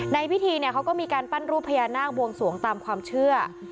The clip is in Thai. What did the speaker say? ในพิธีเนี่ยเขาก็มีการปั้นรูปพญานาคบวงสวงตามความเชื่อ